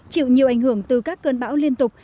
chịu nhiều ảnh hưởng từ các cơn bão liên tục